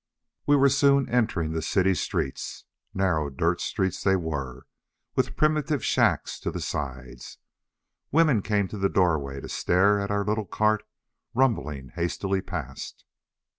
We soon were entering the city streets. Narrow dirt streets they were, with primitive shacks to the sides. Women came to the doorways to stare at our little cart rumbling hastily past.